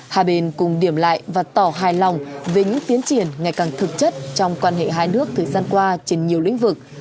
hai bên cùng điểm lại và tỏ hài lòng về những tiến triển ngày càng thực chất trong quan hệ hai nước thời gian qua trên nhiều lĩnh vực